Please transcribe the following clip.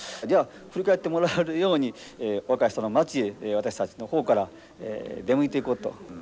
じゃあ振り返ってもらえるように若い人の街へ私たちの方から出向いていこうと。